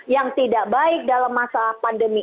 yang tidak baik dalam masa pandemi